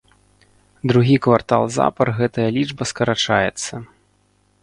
Другі квартал запар гэтая лічба скарачаецца.